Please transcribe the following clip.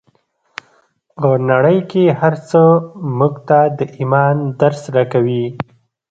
په نړۍ کې هر څه موږ ته د ايمان درس راکوي.